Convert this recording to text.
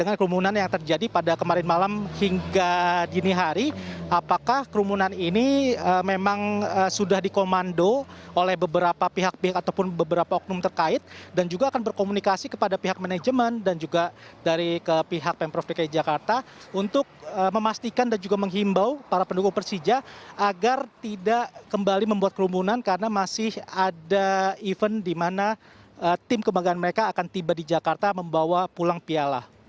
apakah kerumunan yang terjadi pada kemarin malam hingga dini hari apakah kerumunan ini memang sudah dikomando oleh beberapa pihak pihak ataupun beberapa oknum terkait dan juga akan berkomunikasi kepada pihak manajemen dan juga dari pihak pemprov dki jakarta untuk memastikan dan juga menghimbau para pendukung persija agar tidak kembali membuat kerumunan karena masih ada event di mana tim kembagaan mereka akan tiba di jakarta membawa pulang piala